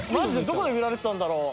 どこで見られてたんだろう？」